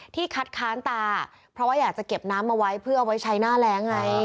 คัดค้านตาเพราะว่าอยากจะเก็บน้ำเอาไว้เพื่อเอาไว้ใช้หน้าแรงไง